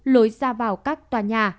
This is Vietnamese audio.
lối ra vào các tòa nhà